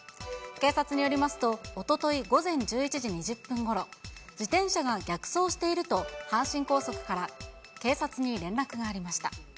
警察によりますと、おととい午前１１時２０分ごろ、自転車が逆走していると、阪神高速から警察に連絡がありました。